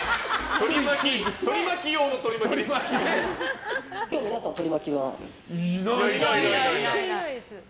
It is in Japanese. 取り巻き用の取り巻きね。